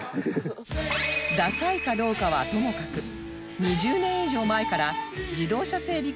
ダサいかどうかはともかく２０年以上前から自動車整備